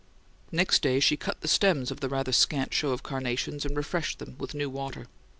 Next day she cut the stems of the rather scant show of carnations and refreshed them with new water.